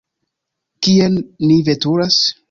Kien ni veturas?